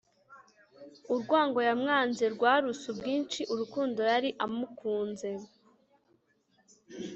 urwango yamwanze rwaruse ubwinshi urukundo yari amukunze.